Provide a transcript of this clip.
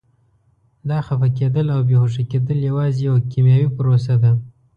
دا خفه کېدل او بې هوښه کېدل یوازې یوه کیمیاوي پروسه ده.